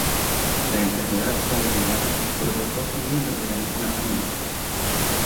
La enfermedad fue heredada por otros doce miembros de la misma familia.